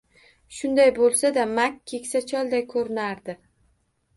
Shunday bo`lsa-da, Mak keksa cholday ko`rinardi